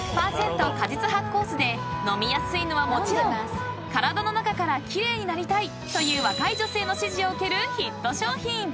［飲みやすいのはもちろん体の中から奇麗になりたいという若い女性の支持を受けるヒット商品］